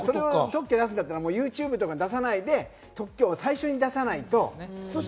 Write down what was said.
特許出すんだったらＹｏｕＴｕｂｅとかに出さないで、特許を最初に出さないと。